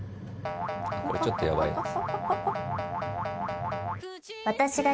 これちょっとヤバいやつ。